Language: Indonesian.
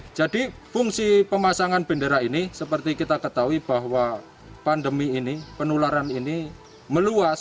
hai jadi fungsi pemasangan bendera ini seperti kita ketahui bahwa pandemi ini penularan ini meluas